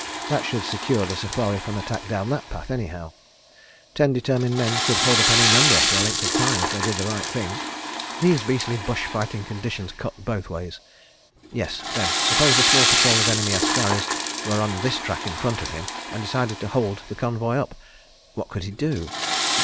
... That should secure the safari from attack down that path, anyhow. Ten determined men could hold up any number for any length of time, if they did the right thing. ... These beastly bush fighting conditions cut both ways. ... Yes—then suppose a small patrol of enemy askaris were on this track in front of him, and decided to hold the convoy up, what could he do?